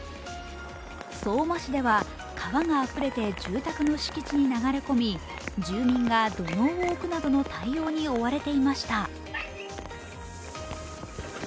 相馬市では川があふれて住宅の敷地に流れ込み住民が土のうを置くなどの対応に追われていました。